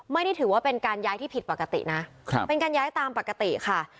ไม่ได้ถือว่าเป็นการย้ายที่ผิดปกตินะเป็นการย้ายตามปกติค่ะ